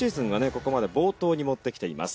ここまで冒頭に持ってきています。